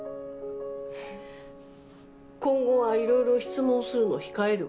今後はいろいろ質問するの控えるわ。